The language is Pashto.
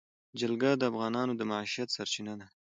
جلګه د افغانانو د معیشت سرچینه ده.